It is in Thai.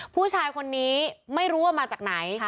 ผู้ชายคนนี้ไม่รู้ว่ามาจากไหน